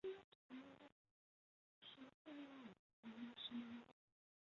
未恢复原职